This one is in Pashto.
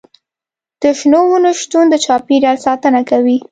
د شنو ونو شتون د چاپیریال ساتنه کوي.